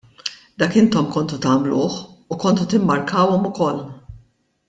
Dak intom kontu tagħmluh, u kontu timmarkawhom ukoll!